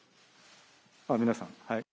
皆さん。